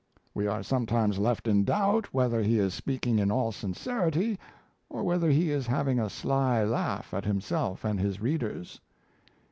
We are sometimes left in doubt whether he is speaking in all sincerity or whether he is having a sly laugh at himself and his readers"!